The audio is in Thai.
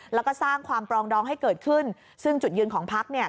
แล้วก็สร้างความปรองดองให้เกิดขึ้นซึ่งจุดยืนของพักเนี่ย